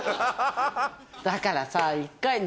だからさ。